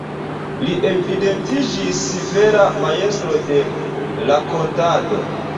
Li evidentiĝis vera majstro de rakontado.